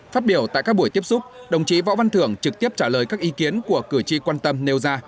phát biểu tại các buổi tiếp xúc đồng chí võ văn thưởng trực tiếp trả lời các ý kiến của cử tri quan tâm nêu ra